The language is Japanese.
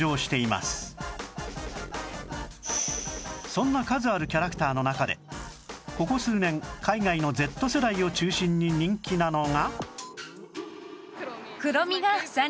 そんな数あるキャラクターの中でここ数年海外の Ｚ 世代を中心に人気なのが